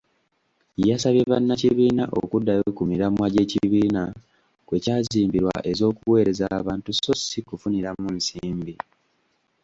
Yasabye bannakibiina okuddayo ku miramwa gy'ekibiina kwe kyazimbirwa ez'okuweereza abantu so ssi kufuniramu nsimbi.